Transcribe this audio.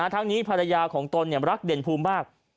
ทั้งนี้ภรรยาของตนรักเด่นภูมิมาก